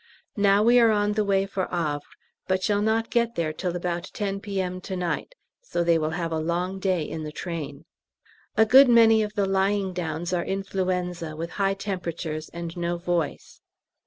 Now we are on the way for Havre, but shall not get there till about 10 P.M. to night, so they will have a long day in the train. A good many of the lying downs are influenza, with high temperatures and no voice.